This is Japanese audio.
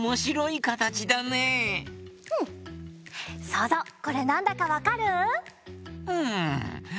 そうぞうこれなんだかわかる？んぼうしかな？